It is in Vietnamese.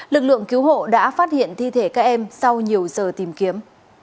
lực lượng cứu hộ đã phát hiện thi thể các em sau nhiều giờ tìm kiếm